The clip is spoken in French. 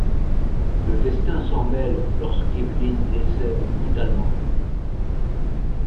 Le destin s'en mêle lorsqu'Evelyn décède brutalement.